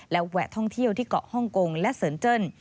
และแวะท่องเที่ยวที่เกาะฮ่องกงและเซินเจิ้น